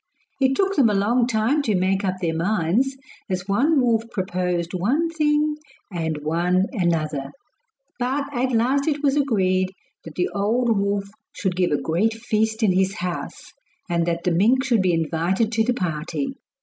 It took them a long time to make up their minds, as one wolf proposed one thing and one another; but at last it was agreed that the old wolf should give a great feast in his house, and that the mink should be invited to the party.